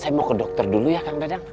saya mau ke dokter dulu ya kang dadang